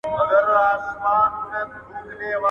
هره ګیله دي منم ګرانه پر ما ښه لګیږي ..